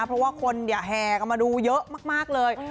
เพราะว่าคนแห่กันมาดูเยอะมากเลย